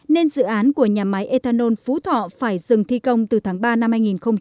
nên dự án của nhà máy ethanol phú thọ phải dừng thi công từ tháng ba năm hai nghìn một mươi chín